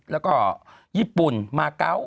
แล้วก็ญี่ปุ่นมาเกาะ